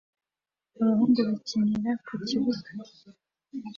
Abahungu bakinira ku kibuga